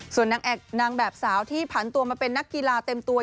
ส่วนนางแบบสาวที่ผันตัวมาเป็นนักกีฬาเต็มตัว